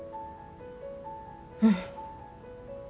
うん。